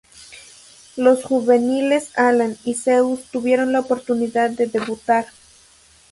Los juveniles Alan y Zeus tuvieron la oportunidad de debutar.